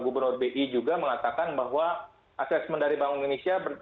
gubernur bi juga mengatakan bahwa asesmen dari bank indonesia